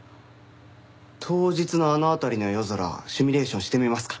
当日のあの辺りの夜空シミュレーションしてみますか？